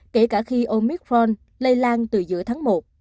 kể cả khi omicron lây lan từ giữa tháng một